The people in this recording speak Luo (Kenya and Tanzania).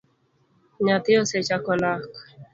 Nyathi osechako lak